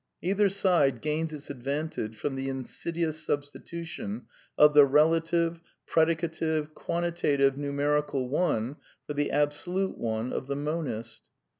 Either side gains its advantage from the insidious substitution of the relative, i JUv predicative, quantitative, numerical " one " for the Abso l lute One of the monist.